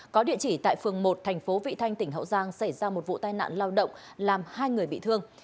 có địa chỉ tại phường một thành phố vị thanh tỉnh hậu giang xảy ra một vụ tai nạn lao động làm hai người bị thương